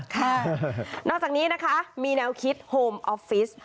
ค่ะนอกจากนี้นะคะมีแนวคิดโฮมออฟฟิศ